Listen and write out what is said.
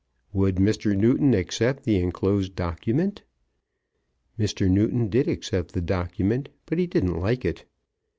"Would Mr. Newton accept the enclosed document?" Mr. Newton did accept the document, but he didn't like it.